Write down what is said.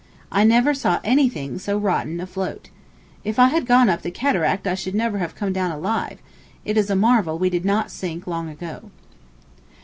I never saw anything so rotten afloat. If I had gone up the Cataract I should never have come down alive. It is a marvel we did not sink long ago.